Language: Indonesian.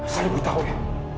saya tahu ya